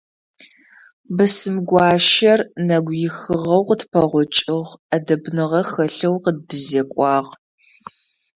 Бысымгуащэр нэгуихыгъэу къытпэгъокӏыгъ, ӏэдэбныгъэ хэлъэу къыддэзекӏуагъ.